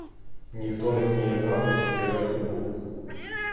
Ніхто не сміє знати, що я тут був.